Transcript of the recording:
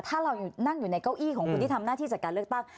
ถ้าเรานั่งอยู่ในเก้าอี้ของคนที่ทำหน้าที่จัดการเลือกตั้ง